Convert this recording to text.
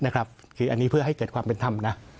คืออันนี้เพื่อให้เกิดความเป็นธรรมนะ